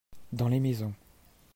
Dans les maisons.